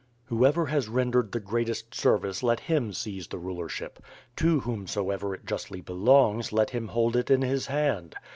Whoever has rendered the greatest service let him seize the rulership. To whomsoever it justly belongs let him hold it in his hand.